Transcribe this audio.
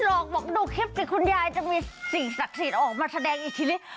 หลอกบอกว่าดูคลิปนี้คุณยายจะมี๔ศักดิ์สีออกมาแสดงอีกทีนี้